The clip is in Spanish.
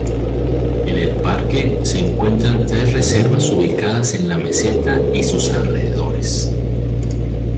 En el parque se encuentran tres reservas ubicadas en la meseta y sus alrededores.